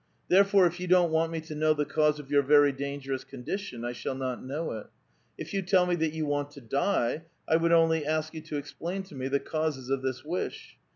Therefore if you don't want me to know the cause of your very dangerous condition, I shall not know it. If you tell me that you want to die, I would only ask you to explain to me the causes of this wish.